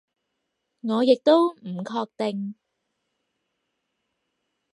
我亦都唔確定